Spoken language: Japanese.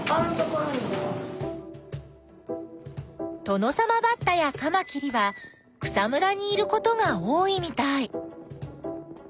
トノサマバッタやカマキリは草むらにいることが多いみたい。